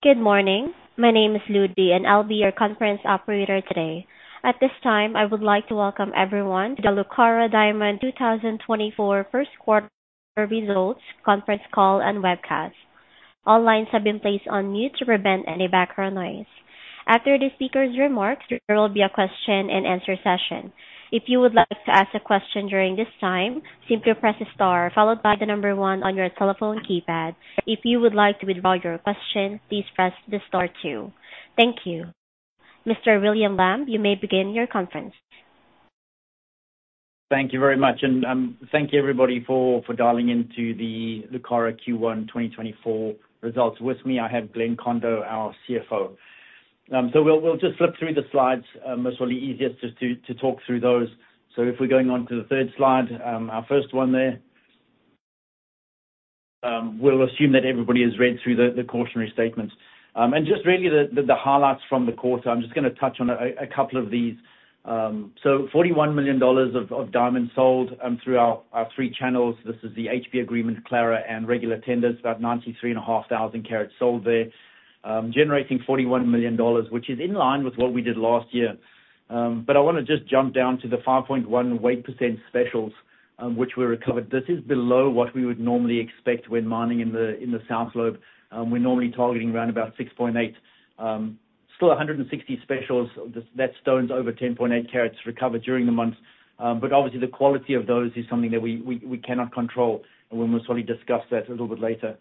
Good morning. My name is Ludi and I'll be your conference operator today. At this time, I would like to welcome everyone to the Lucara Diamond 2024 First Quarter Results Conference Call and Webcast. All lines have been placed on mute to prevent any background noise. After the speaker's remarks, there will be a question-and-answer session. If you would like to ask a question during this time, simply press *1 on your telephone keypad. If you would like to withdraw your question, please press the *2. Thank you. Mr. William Lamb, you may begin your conference. Thank you very much, and thank you, everybody, for dialing into the Lucara Q1 2024 results with me. I have Glenn Kondo, our CFO. We'll just flip through the slides. Most probably, easiest is to talk through those. So, if we're going on to the third slide, our first one there, we'll assume that everybody has read through the cautionary statements. Just really the highlights from the quarter—I'm just going to touch on a couple of these. We had $41 million of diamonds sold through our three channels: this includes the HP agreement, Clara, and regular tenders. About 93,500 carats were sold, generating $41 million, which is in line with what we did last year. But I want to jump down to the 5.18% specials recovered, which is below what we would normally expect when mining in the South Lobe. We're normally targeting around 6.8% specials. Still, 160 specials—stones over 10.8 carats recovered during the month. But, obviously, the quality of those is something that we cannot control, and we'll most probably discuss that a little bit later.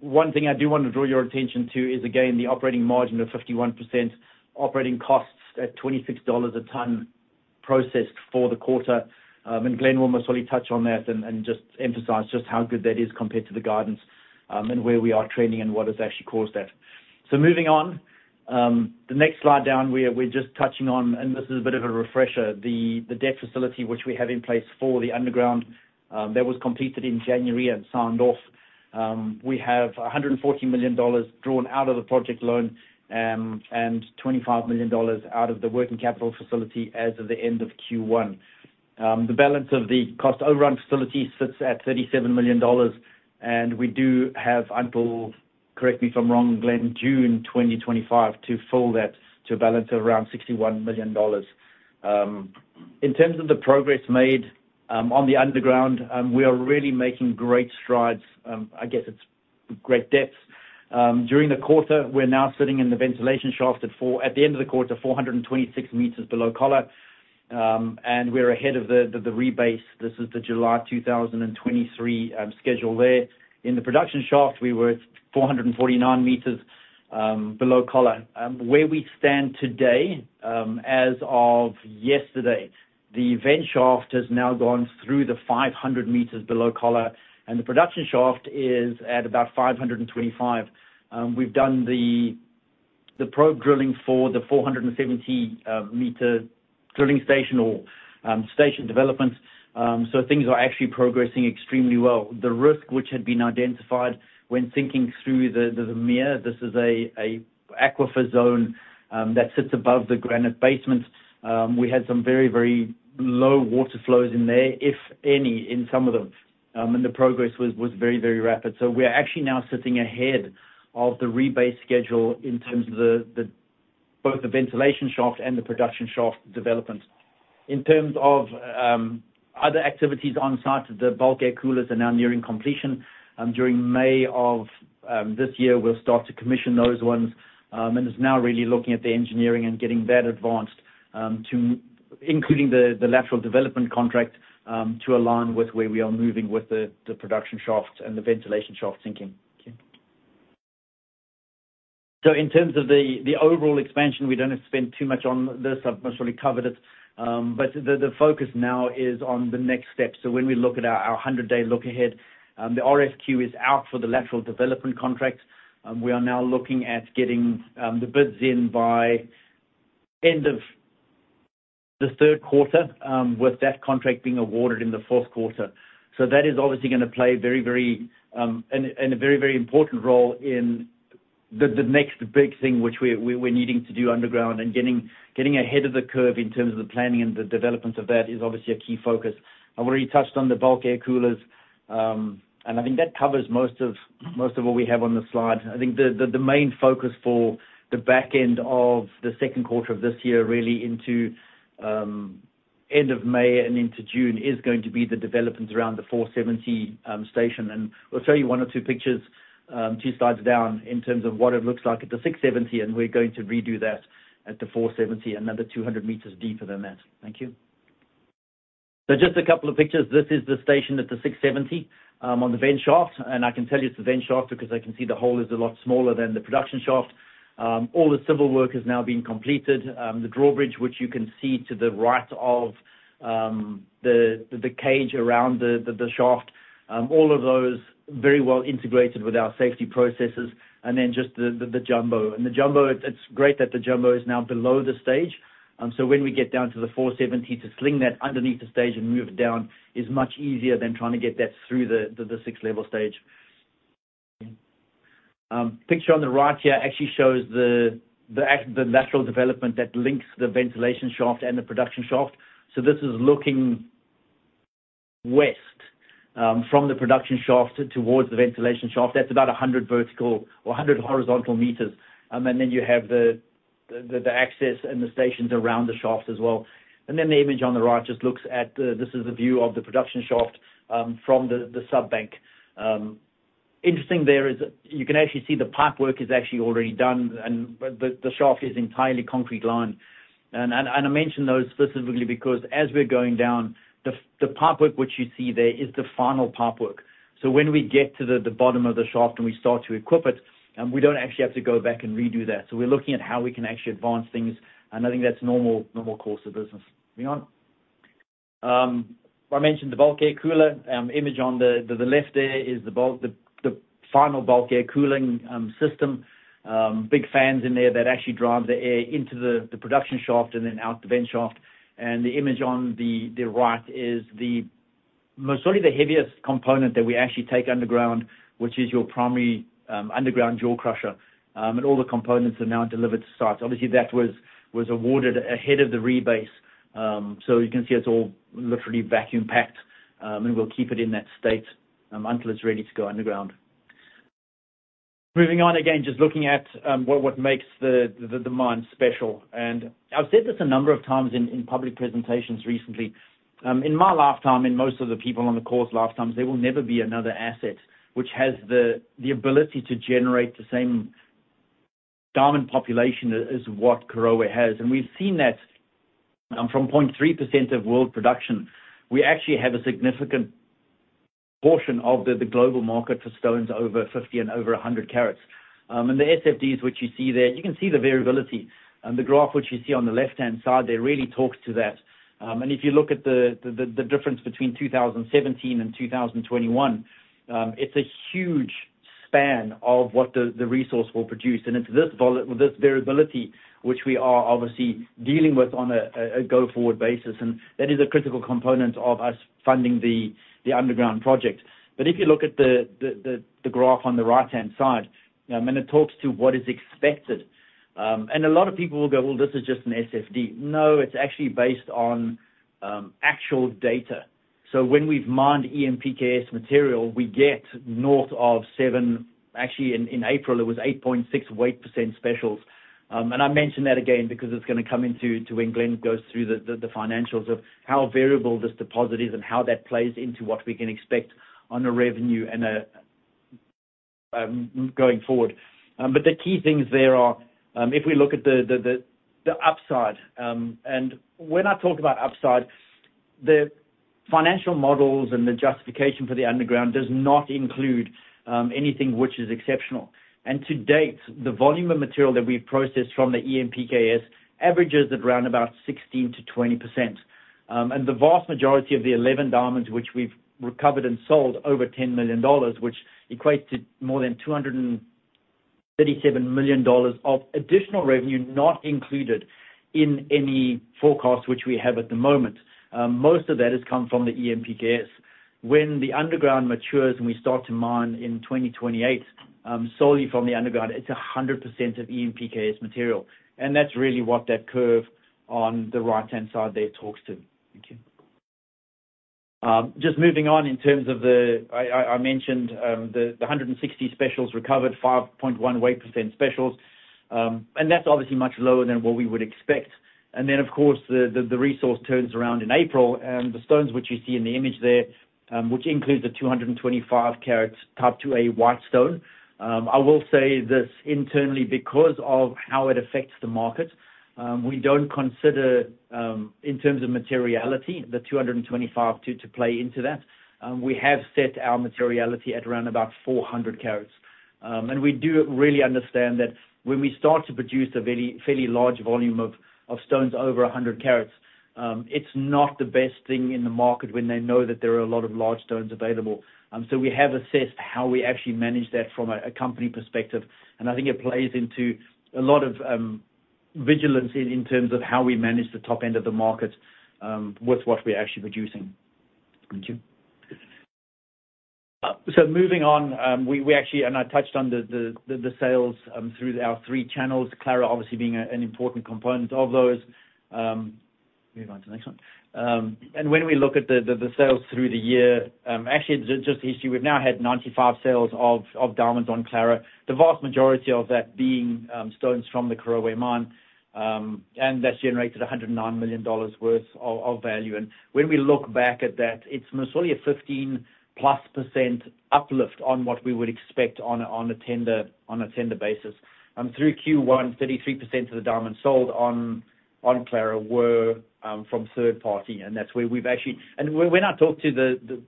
One thing I do want to draw your attention to is, again, the operating margin of 51%, operating costs at $26 a ton processed for the quarter. Glenn will most probably touch on that and just emphasize just how good that is compared to the guidance and where we are training and what has actually caused that. So moving on, the next slide down we're just touching on, and this is a bit of a refresher, the debt facility which we have in place for the underground that was completed in January and signed off. We have $140 million drawn out of the project loan and $25 million out of the working capital facility as of the end of Q1. The balance of the cost overrun facility sits at $37 million, and we do have until, correct me if I'm wrong, Glenn, June 2025 to fill that to a balance of around $61 million. In terms of the progress made on the underground, we are really making great strides. I guess it's great depths. During the quarter, we're now sitting in the ventilation shaft at the end of the quarter, 426 meters below collar, and we're ahead of the rebase. This is the July 2023 schedule there. In the production shaft, we were 449 meters below collar. Where we stand today as of yesterday, the vent shaft has now gone through the 500 meters below collar, and the production shaft is at about 525. We've done the probe drilling for the 470-meter drilling station or station development, so things are actually progressing extremely well. The risk which had been identified when sinking through the mirror, this is an aquifer zone that sits above the granite basement. We had some very, very low water flows in there, if any, in some of them, and the progress was very, very rapid. So we're actually now sitting ahead of the rebase schedule in terms of both the ventilation shaft and the production shaft development. In terms of other activities on site, the bulk air coolers are now nearing completion. During May of this year, we'll start to commission those ones. And it's now really looking at the engineering and getting that advanced, including the lateral development contract, to align with where we are moving with the production shaft and the ventilation shaft sinking. Thank you. So in terms of the overall expansion, we don't have to spend too much on this. I've most probably covered it. But the focus now is on the next step. So when we look at our 100-day look ahead, the RFQ is out for the lateral development contract. We are now looking at getting the bids in by end of the third quarter, with that contract being awarded in the fourth quarter. So that is obviously going to play a very, very important role in the next big thing which we're needing to do underground. And getting ahead of the curve in terms of the planning and the development of that is obviously a key focus. I've already touched on the bulk air coolers, and I think that covers most of what we have on the slide. I think the main focus for the back end of the second quarter of this year, really into end of May and into June, is going to be the developments around the 470 station. And we'll show you one or two pictures two slides down in terms of what it looks like at the 670, and we're going to redo that at the 470, another 200 meters deeper than that. Thank you. So just a couple of pictures. This is the station at the 670 on the vent shaft, and I can tell you it's the vent shaft because I can see the hole is a lot smaller than the production shaft. All the civil work has now been completed. The drawbridge, which you can see to the right of the cage around the shaft, all of those very well integrated with our safety processes, and then just the jumbo. It's great that the jumbo is now below the stage. So when we get down to the 470 to sling that underneath the stage and move it down is much easier than trying to get that through the 6-level stage. The picture on the right here actually shows the lateral development that links the ventilation shaft and the production shaft. So this is looking west from the production shaft towards the ventilation shaft. That's about 100 vertical or 100 horizontal meters. And then you have the access and the stations around the shaft as well. And then the image on the right just looks at this is the view of the production shaft from the sub-bank. Interesting, there is you can actually see the pipework is actually already done, and the shaft is entirely concrete lined. I mention those specifically because as we're going down, the pipework which you see there is the final pipework. So when we get to the bottom of the shaft and we start to equip it, we don't actually have to go back and redo that. So we're looking at how we can actually advance things, and I think that's normal course of business. Moving on. I mentioned the bulk air cooler. Image on the left there is the final bulk air cooling system, big fans in there that actually drive the air into the production shaft and then out the vent shaft. The image on the right is most probably the heaviest component that we actually take underground, which is your primary underground jaw crusher, and all the components are now delivered to sites. Obviously, that was awarded ahead of the rebase. So you can see it's all literally vacuum-packed, and we'll keep it in that state until it's ready to go underground. Moving on again, just looking at what makes the mine special. I've said this a number of times in public presentations recently. In my lifetime, and most of the people on the course's lifetimes, there will never be another asset which has the ability to generate the same diamond population as what Karowe has. We've seen that from 0.3% of world production, we actually have a significant portion of the global market for stones over 50 and over 100 carats. The SFDs which you see there, you can see the variability. The graph which you see on the left-hand side, there really talks to that. If you look at the difference between 2017 and 2021, it's a huge span of what the resource will produce. It's with this variability which we are obviously dealing with on a go-forward basis, and that is a critical component of us funding the underground project. But if you look at the graph on the right-hand side, and it talks to what is expected. A lot of people will go, "Well, this is just an SFD." No, it's actually based on actual data. So when we've mined EMPKS material, we get north of 7 actually; in April, it was 8.68% specials. I mention that again because it's going to come into when Glenn goes through the financials of how variable this deposit is and how that plays into what we can expect on revenue going forward. But the key things there are, if we look at the upside and when I talk about upside, the financial models and the justification for the underground does not include anything which is exceptional. And to date, the volume of material that we've processed from the EMPKS averages at around about 16%-20%. And the vast majority of the 11 diamonds which we've recovered and sold over $10 million, which equates to more than $237 million of additional revenue not included in any forecast which we have at the moment, most of that has come from the EMPKS. When the underground matures and we start to mine in 2028 solely from the underground, it's 100% of EMPKS material. And that's really what that curve on the right-hand side there talks to. Thank you. Just moving on in terms of the I mentioned the 160 specials recovered, 5.18% specials, and that's obviously much lower than what we would expect. Then, of course, the resource turns around in April, and the stones which you see in the image there, which includes a 225-carat Type IIa white stone. I will say this internally because of how it affects the market. We don't consider, in terms of materiality, the 225 to play into that. We have set our materiality at around about 400 carats. And we do really understand that when we start to produce a fairly large volume of stones over 100 carats, it's not the best thing in the market when they know that there are a lot of large stones available. So we have assessed how we actually manage that from a company perspective, and I think it plays into a lot of vigilance in terms of how we manage the top end of the market with what we're actually producing. Thank you. So moving on, we actually and I touched on the sales through our three channels, Clara obviously being an important component of those. Moving on to the next one. And when we look at the sales through the year actually, just history, we've now had 95 sales of diamonds on Clara, the vast majority of that being stones from the Karowe mine, and that's generated $109 million worth of value. And when we look back at that, it's most probably a 15%+ uplift on what we would expect on a tender basis. Through Q1, 33% of the diamonds sold on Clara were from third party, and that's where we've actually and when I talk to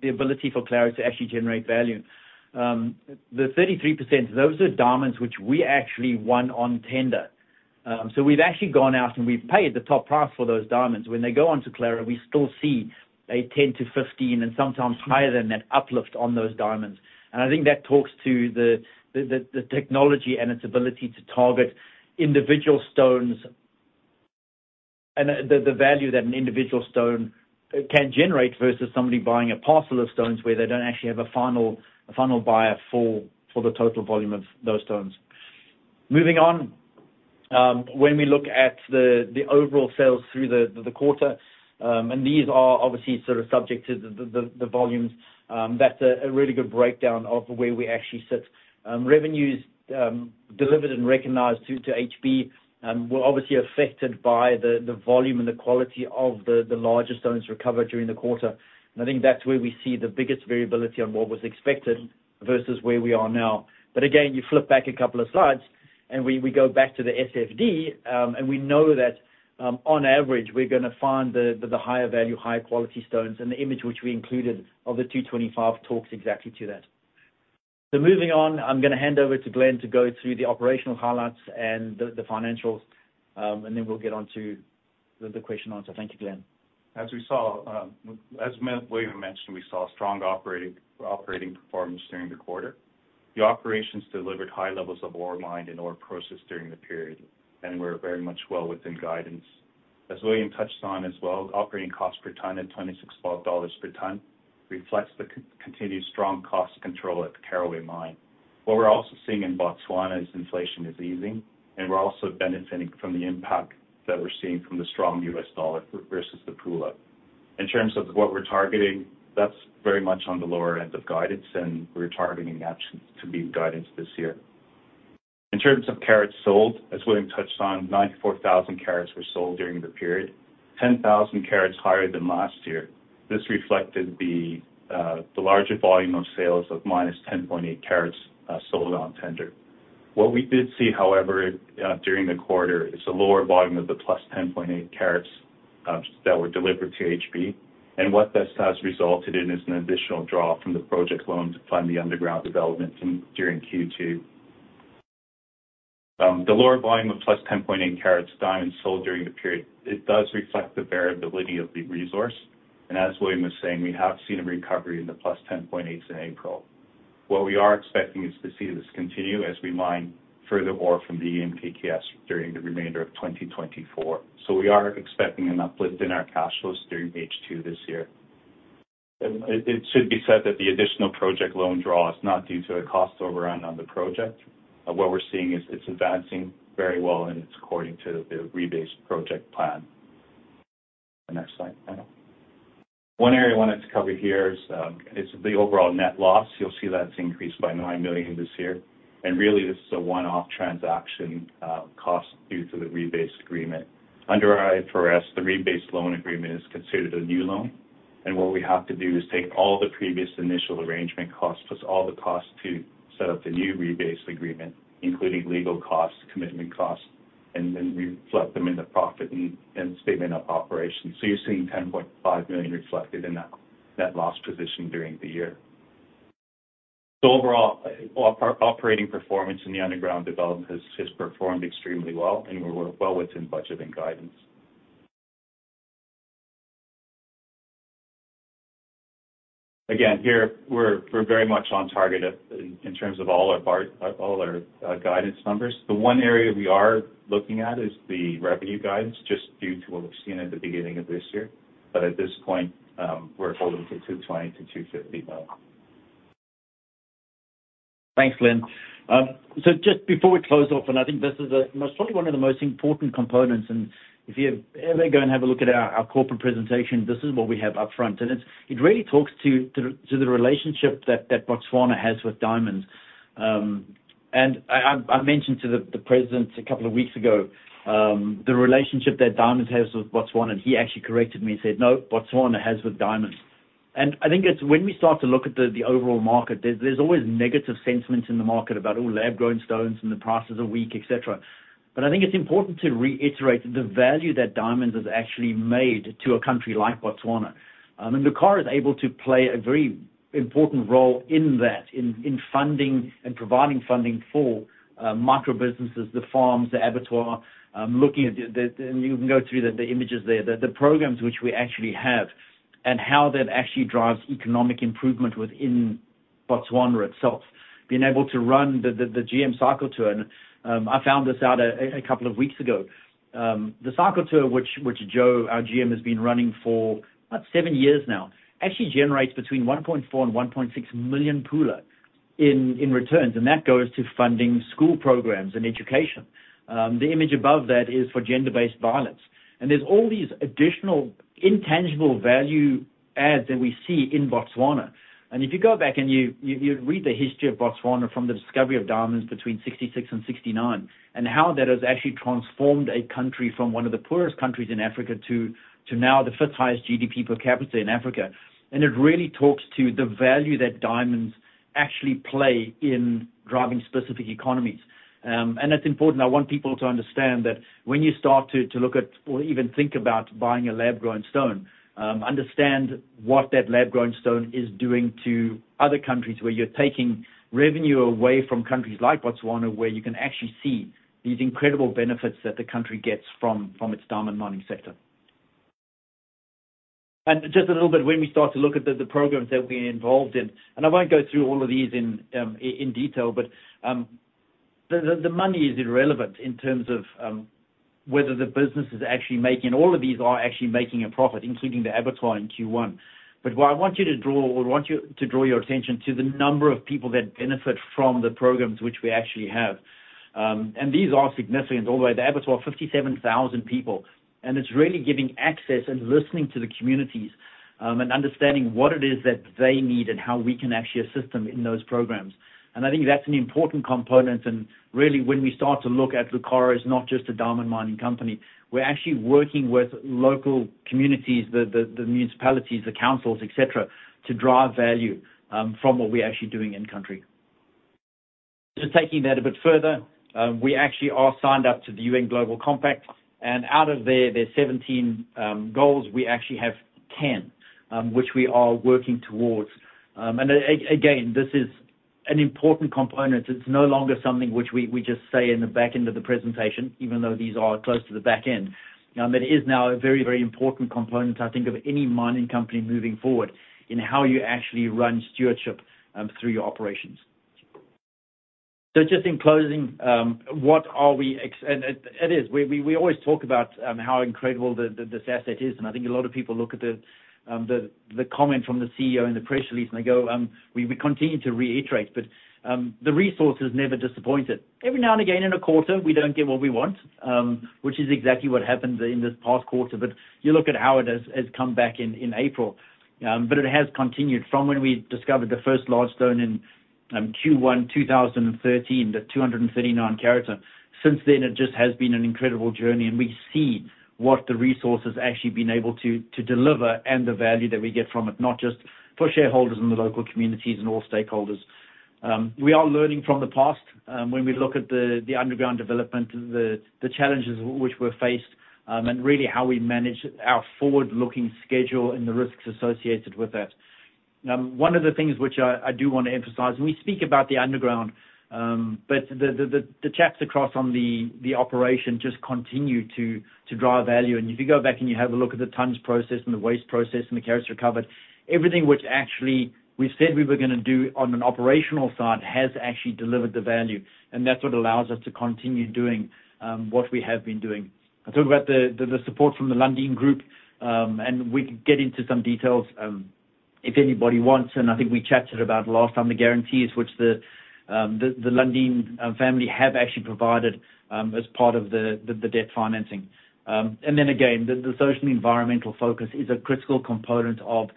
the ability for Clara to actually generate value, the 33%, those are diamonds which we actually won on tender. So we've actually gone out and we've paid the top price for those diamonds. When they go on to Clara, we still see a 10%-15% and sometimes higher than that uplift on those diamonds. And I think that talks to the technology and its ability to target individual stones and the value that an individual stone can generate versus somebody buying a parcel of stones where they don't actually have a final buyer for the total volume of those stones. Moving on, when we look at the overall sales through the quarter, and these are obviously sort of subject to the volumes, that's a really good breakdown of where we actually sit. Revenues delivered and recognized to HB were obviously affected by the volume and the quality of the larger stones recovered during the quarter. And I think that's where we see the biggest variability on what was expected versus where we are now. But again, you flip back a couple of slides and we go back to the SFD, and we know that on average, we're going to find the higher-value, higher-quality stones. And the image which we included of the 225 talks exactly to that. So moving on, I'm going to hand over to Glenn to go through the operational highlights and the financials, and then we'll get on to the question and answer. Thank you, Glenn. As William mentioned, we saw strong operating performance during the quarter. The operations delivered high levels of ore mined and ore processed during the period, and we're very much well within guidance. As William touched on as well, operating costs per ton at $26 per ton reflects the continued strong cost control at the Karowe mine. What we're also seeing in Botswana is inflation is easing, and we're also benefiting from the impact that we're seeing from the strong US dollar versus the BWP. In terms of what we're targeting, that's very much on the lower end of guidance, and we're targeting actions to be in guidance this year. In terms of carats sold, as William touched on, 94,000 carats were sold during the period, 10,000 carats higher than last year. This reflected the larger volume of sales of minus 10.8 carats sold on tender. What we did see, however, during the quarter is a lower volume of the plus 10.8 carats that were delivered to HB, and what this has resulted in is an additional draw from the project loan to fund the underground development during Q2. The lower volume of plus 10.8 carats diamonds sold during the period, it does reflect the variability of the resource. And as William was saying, we have seen a recovery in the plus 10.8s in April. What we are expecting is to see this continue as we mine further ore from the EM/PK(S) during the remainder of 2024. So we are expecting an uplift in our cash flows during H2 this year. And it should be said that the additional project loan draw is not due to a cost overrun on the project. What we're seeing is it's advancing very well, and it's according to the rebase project plan. The next slide, panel. One area I wanted to cover here is the overall net loss. You'll see that's increased by $9 million this year. And really, this is a one-off transaction cost due to the rebase agreement. Under IFRS, the rebase loan agreement is considered a new loan. And what we have to do is take all the previous initial arrangement costs plus all the costs to set up the new rebase agreement, including legal costs, commitment costs, and then reflect them in the profit and statement of operations. So you're seeing $10.5 million reflected in that net loss position during the year. So overall, operating performance in the underground development has performed extremely well, and we're well within budget and guidance. Again, here, we're very much on target in terms of all our guidance numbers. The one area we are looking at is the revenue guidance just due to what we've seen at the beginning of this year. But at this point, we're holding to $220 million-$250 million. Thanks, Glenn. So just before we close off, and I think this is probably one of the most important components, and if you ever go and have a look at our corporate presentation, this is what we have upfront. And it really talks to the relationship that Botswana has with diamonds. I mentioned to the president a couple of weeks ago the relationship that diamonds have with Botswana, and he actually corrected me and said, "No, Botswana has with diamonds." I think when we start to look at the overall market, there's always negative sentiment in the market about, "Oh, lab-grown stones and the prices are weak," etc. But I think it's important to reiterate the value that diamonds has actually made to a country like Botswana. Lucara is able to play a very important role in that, in funding and providing funding for microbusinesses, the farms, the abattoir. You can go through the images there, the programs which we actually have and how that actually drives economic improvement within Botswana itself, being able to run the GM cycle tour. I found this out a couple of weeks ago. The cycle tour which Joe, our GM, has been running for about seven years now actually generates between BWP 1.4 million and BWP 1.6 million in returns, and that goes to funding school programs and education. The image above that is for gender-based violence. There's all these additional intangible value adds that we see in Botswana. If you go back and you read the history of Botswana from the discovery of diamonds between 1966 and 1969 and how that has actually transformed a country from one of the poorest countries in Africa to now the fifth highest GDP per capita in Africa, and it really talks to the value that diamonds actually play in driving specific economies. It's important. I want people to understand that when you start to look at or even think about buying a lab-grown stone, understand what that lab-grown stone is doing to other countries where you're taking revenue away from countries like Botswana where you can actually see these incredible benefits that the country gets from its diamond mining sector. And just a little bit, when we start to look at the programs that we're involved in and I won't go through all of these in detail, but the money is irrelevant in terms of whether the business is actually making all of these are actually making a profit, including the abattoir in Q1. But what I want you to draw or want you to draw your attention to the number of people that benefit from the programs which we actually have. And these are significant all the way. There are about 57,000 people, and it's really giving access and listening to the communities and understanding what it is that they need and how we can actually assist them in those programs. I think that's an important component. Really, when we start to look at Lucara as not just a diamond mining company, we're actually working with local communities, the municipalities, the councils, etc., to drive value from what we're actually doing in country. Just taking that a bit further, we actually are signed up to the UN Global Compact, and out of their 17 goals, we actually have 10 which we are working towards. Again, this is an important component. It's no longer something which we just say in the back end of the presentation, even though these are close to the back end. That is now a very, very important component, I think, of any mining company moving forward in how you actually run stewardship through your operations. So just in closing, what are we and it is. We always talk about how incredible this asset is, and I think a lot of people look at the comment from the CEO and the press release, and they go, "We continue to reiterate," but the resource has never disappointed. Every now and again in a quarter, we don't get what we want, which is exactly what happened in this past quarter. But you look at how it has come back in April, but it has continued from when we discovered the first large stone in Q1 2013, the 239-carat. Since then, it just has been an incredible journey, and we see what the resource has actually been able to deliver and the value that we get from it, not just for shareholders in the local communities and all stakeholders. We are learning from the past when we look at the underground development, the challenges which were faced, and really how we manage our forward-looking schedule and the risks associated with that. One of the things which I do want to emphasize and we speak about the underground, but the chaps across on the operation just continue to drive value. If you go back and you have a look at the tons processed and the waste processed and the carats recovered, everything which actually we've said we were going to do on an operational side has actually delivered the value, and that's what allows us to continue doing what we have been doing. I talked about the support from the Lundin Group, and we could get into some details if anybody wants. I think we chatted about last time the guarantees which the Lundin family have actually provided as part of the debt financing. Then again, the social and environmental focus is a critical component of,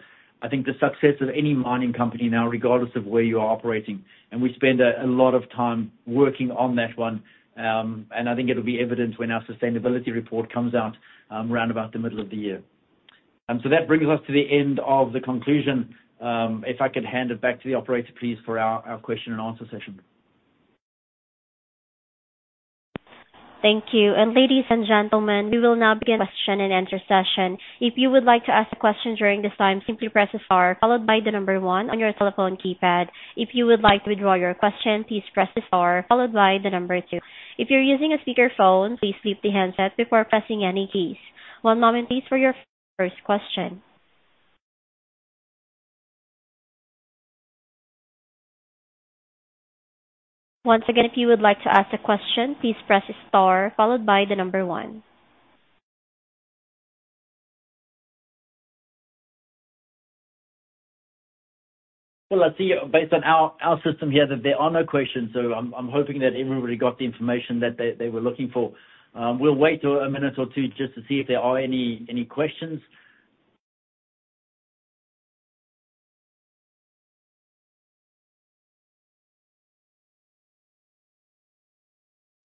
I think, the success of any mining company now, regardless of where you are operating. We spend a lot of time working on that one, and I think it'll be evident when our sustainability report comes out round about the middle of the year. That brings us to the end of the conclusion. If I could hand it back to the operator, please, for our question and answer session. Thank you. Ladies and gentlemen, we will now begin the question and answer session. If you would like to ask a question during this time, simply press the star followed by the number 1 on your telephone keypad. If you would like to withdraw your question, please press the star followed by the number 2. If you're using a speakerphone, please lift the headset before pressing any keys. One moment, please, for your first question. Once again, if you would like to ask a question, please press the star followed by 1. Well, I see based on our system here that there are no questions, so I'm hoping that everybody got the information that they were looking for. We'll wait a minute or two just to see if there are any questions.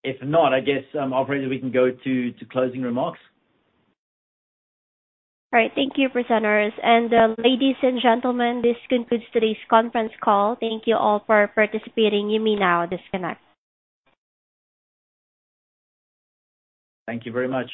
If not, I guess, operator, we can go to closing remarks. All right. Thank you, presenters. Ladies and gentlemen, this concludes today's conference call. Thank you all for participating. You may now disconnect. Thank you very much.